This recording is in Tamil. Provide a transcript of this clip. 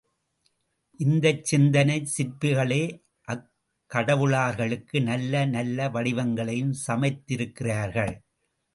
இந்தச் சிந்தனைச் சிற்பிகளே அக்கடவுளர்களுக்கு நல்ல நல்ல வடிவங்களையும் சமைத்திருக்கிறார்கள்.